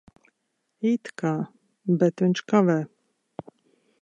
It kā. Bet viņš kavē.